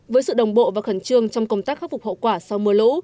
với sự đồng bộ và khẩn trương trong công tác khắc phục hậu quả sau mưa lũ